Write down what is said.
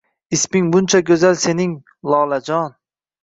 isming buncha goʼzal sening, lolajon